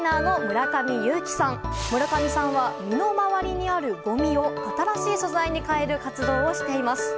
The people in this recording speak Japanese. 村上さんは身の回りにあるごみを新しい素材に変える活動をしています。